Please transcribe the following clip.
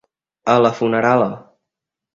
A la funerala.